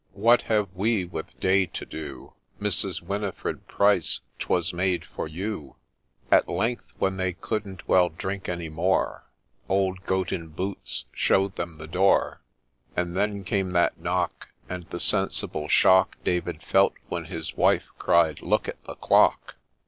What have we with day to do ? Mrs. Winifred Pryce, 'twas made for you !'— At length, when they couldn't well drink any more, Old ' Goat in Boots ' showed them the door : And then came that knock, And the sensible shock David felt when his wife cried, ' Look at the Clock